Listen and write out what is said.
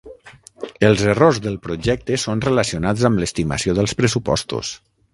Els errors del projecte són relacionats amb l'estimació dels pressupostos.